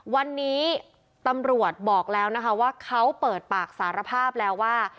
วันนี้ตำรวจบอกแล้วนะคะว่าเขาเปิดปากสารภาพแล้วว่า